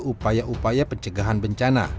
upaya upaya pencegahan bencana